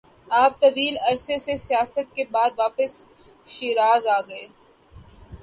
آپ طویل عرصہ سے سیاحت کے بعد واپس شیراز آگئے-